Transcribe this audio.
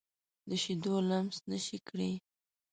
د شیدو لمس نشه کړي